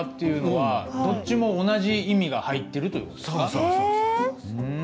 そうそうそうそう。